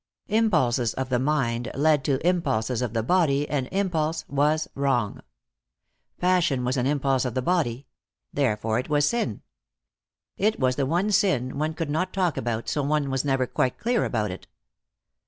Impulses of the mind led to impulses of the body, and impulse was wrong. Passion was an impulse of the body. Therefore it was sin. It was the one sin one could not talk about, so one was never quite clear about it.